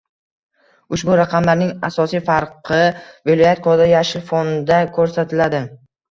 Ushbu raqamlarning asosiy farqi — viloyat kodi yashil fonda ko‘rsatiladi